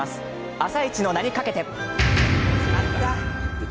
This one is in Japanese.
「あさイチ」の名にかけて。